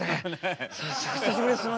久しぶりですね。